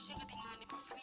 sekarang kogen pengen curi